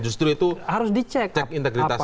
justru itu harus dicek cek integritasnya